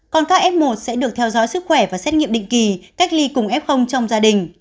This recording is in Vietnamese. còn các f một sẽ được theo dõi sức khỏe và xét nghiệm định kỳ cách ly cùng f trong gia đình